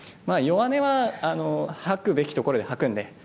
弱音は、吐くべきところで吐くので。